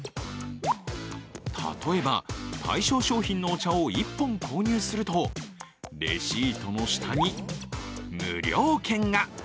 例えば対象商品のお茶を１本購入すると、レシートの下に無料券が。